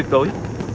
hẹn gặp lại